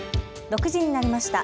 ６時になりました。